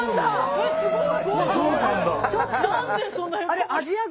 えすごい。